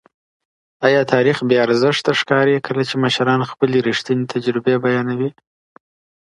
آیا تاریخ بې ارزښته ښکاري کله چي مشران خپلې ریښتینې تجربې بیانوي؟